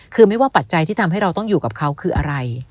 คือไม่ว่าปัจจัยที่ทำให้เราต้องอยู่กับเขาคืออะไร